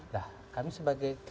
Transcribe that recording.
nah kami sebagai